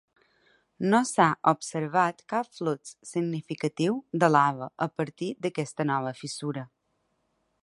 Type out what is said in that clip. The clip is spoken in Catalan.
No s'ha observat cap flux significatiu de lava a partir d'aquesta nova fissura.